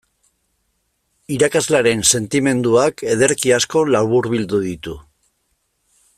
Irakaslearen sentimenduak ederki asko laburbildu ditu.